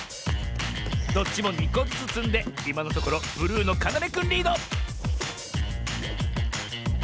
⁉どっちも２こずつつんでいまのところブルーのかなめくんリード！